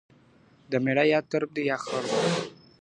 د مېړه يا ترپ دى يا خرپ